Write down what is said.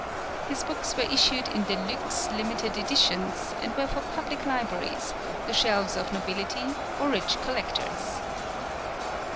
His books were issued in deluxe, limited editions, and were for public libraries, the shelves of nobility or rich collectors.